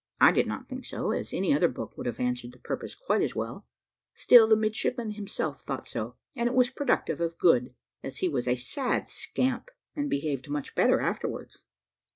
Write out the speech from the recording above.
I did not think so, as any other book would have answered the purpose quite as well: still the midshipman himself thought so, and it was productive of good, as he was a sad scamp, and behaved much better afterwards.